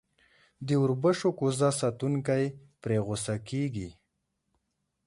د اوربشو کوزه ساتونکی پرې غصه کېږي.